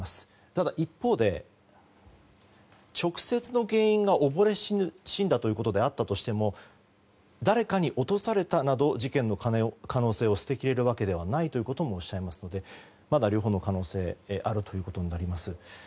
ただ、一方で直接の原因が溺れ死んだということであったとしても誰かに落とされたなど事件の可能性を捨てきれるわけではないともおっしゃいますのでまだ両方の可能性があるということになります。